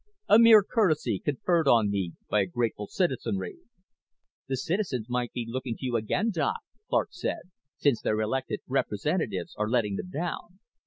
A mere courtesy, conferred on me by a grateful citizenry." "The citizens might be looking to you again, Doc," Clark said, "since their elected representatives are letting them down."